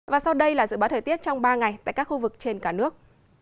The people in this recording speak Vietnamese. và sau đây là dự báo thời tiết trong ba ngày tại các khu vực trên cả nước